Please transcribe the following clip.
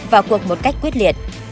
và cuộc một cách quyết liệt